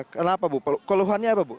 kenapa bu keluhannya apa bu